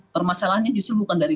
permasalahannya justru bukan dari